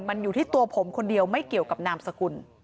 มันอยู่ที่ตัวผมคนเดียวไม่เกี่ยวกับนามสกุล